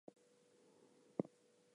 I admit we move freely in two dimensions.